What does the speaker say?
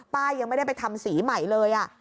ป้ายังไม่ได้ไปทำสีใหม่เลย